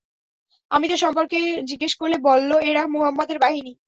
আমি তা সম্পর্কে জিজ্ঞেস করলে বলল, এরা মুহাম্মদের বাহিনী।